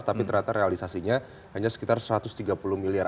tapi ternyata realisasinya hanya sekitar satu ratus tiga puluh miliar